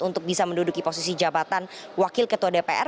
untuk bisa menduduki posisi jabatan wakil ketua dpr